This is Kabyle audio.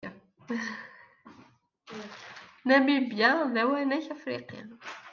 Namibya d awanak afriqi.